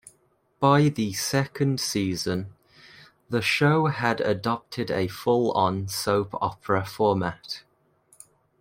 By the second season, the show had adopted a full-on soap opera format.